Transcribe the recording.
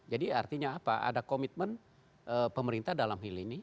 jadi artinya apa ada komitmen pemerintah dalam hal ini